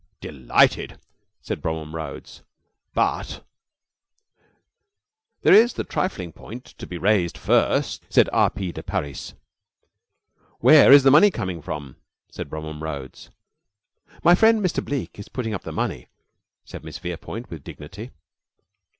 "Delighted!" said Bromham Rhodes; "but " "There is the trifling point to be raised first " said R. P. de Parys. "Where is the money coming from?" said Bromham Rhodes. "My friend, Mr. Bleke, is putting up the money," said Miss Verepoint, with dignity.